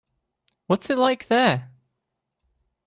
What's it like there?